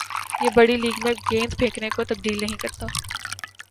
یہ بڑِی لیگ میں گیند پھینکنے کو تبدیل نہیں کرتا